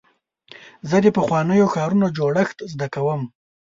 زه د پخوانیو ښارونو جوړښت زده کوم.